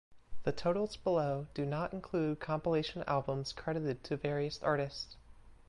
The totals below do not include compilation albums credited to various artists.